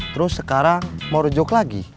terus sekarang mau rujuk lagi